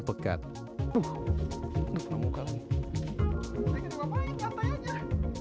lebah musnah lebah estimasi received